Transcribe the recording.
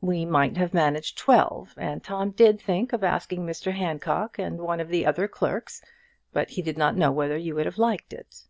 We might have managed twelve, and Tom did think of asking Mr Handcock and one of the other clerks, but he did not know whether you would have liked it."